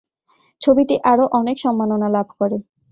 ছবিটি আরও অনেক সম্মাননা লাভ করে।